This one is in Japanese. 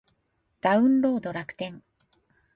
ダウンロード楽天